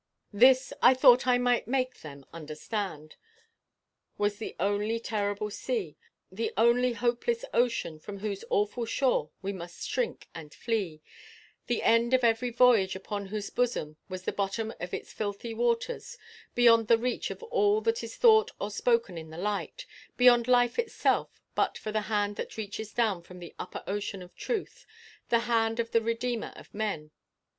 This, I thought I might make them understand, was the only terrible sea, the only hopeless ocean from whose awful shore we must shrink and flee, the end of every voyage upon whose bosom was the bottom of its filthy waters, beyond the reach of all that is thought or spoken in the light, beyond life itself, but for the hand that reaches down from the upper ocean of truth, the hand of the Redeemer of men.